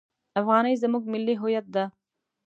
افغانۍ زموږ ملي هویت ده!